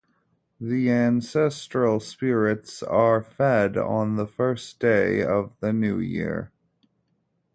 The ancestral spirits are fed on the first day of the New Year.